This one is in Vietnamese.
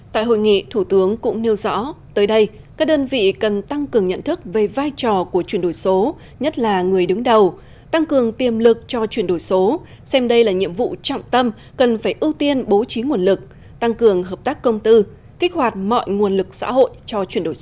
tại hội nghị thủ tướng cũng nêu rõ tới đây các đơn vị cần tăng cường nhận thức về vai trò của chuyển đổi số nhất là người đứng đầu tăng cường tiềm lực cho chuyển đổi số xem đây là nhiệm vụ trọng tâm cần phải ưu tiên bố trí nguồn lực tăng cường hợp tác công tư kích hoạt mọi nguồn lực xã hội cho chuyển đổi số